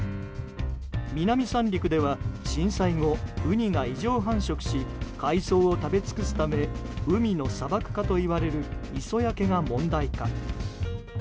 南三陸では震災後、ウニが異常繁殖し海藻を食べ尽くすため海の砂漠化といわれる磯焼けが問題化。